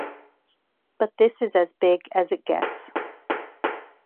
But this is as big as it gets.